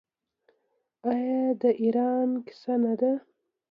آیا دا د ایران کیسه نه ده؟